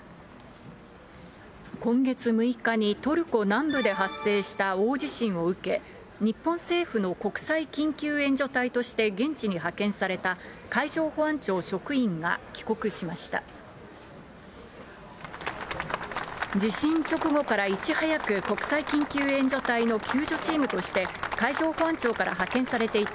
今月６日にトルコ南部で発生した大地震を受け、日本政府の国際緊急援助隊として現地に派遣された海上保安庁職員が帰国しました。